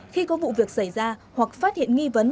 khi có vụ việc xảy ra hoặc phát hiện nghi vấn